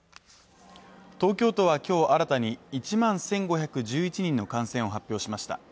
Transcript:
東京都はきょう新たに１万１５１１人の感染を発表しました